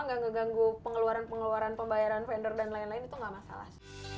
nggak ngeganggu pengeluaran pengeluaran pembayaran vendor dan lain lain itu nggak masalah